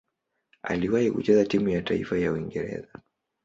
Aliwahi kucheza timu ya taifa ya Uingereza.